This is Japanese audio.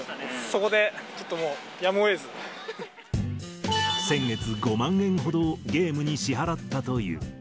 そこでちょっともう、やむを先月、５万円ほどをゲームに支払ったという。